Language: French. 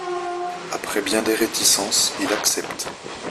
Après bien des réticences, il accepte.